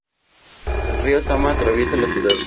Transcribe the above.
El río Tama atraviesa la ciudad.